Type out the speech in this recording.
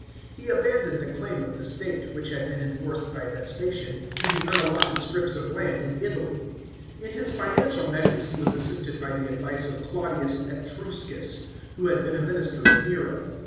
He abandoned the claim of the state, which had been enforced by Vespasian, to the unallotted stnps of land in Italy. In his financial measures he was assisted by the advice of Claudius Etruscus, who had been a minister of Nero.